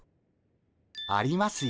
ありますよ